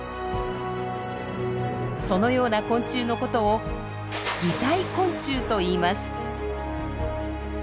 そのような昆虫のことを「擬態昆虫」と言います。